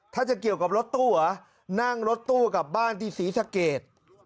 ถ้าจะเกี่ยวกับรถตู้เหรอนั่งรถตู้กลับบ้านที่ศรีสะเกด